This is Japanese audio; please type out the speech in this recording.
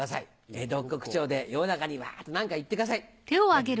江戸っ子口調で世の中にワっと何か言ってください。